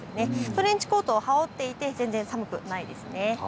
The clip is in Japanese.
トレンチコートを羽織っていて全然寒くないです。